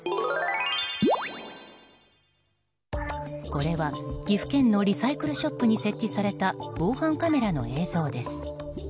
これは岐阜県のリサイクルショップに設置された防犯カメラの映像です。